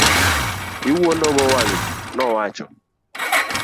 Iwuondo go wang' ji, nowacho.